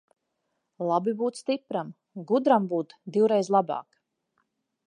Labi būt stipram, gudram būt divreiz labāk.